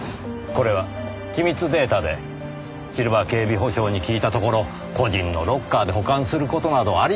これは機密データでシルバー警備保障に聞いたところ個人のロッカーで保管する事などあり得ないそうです。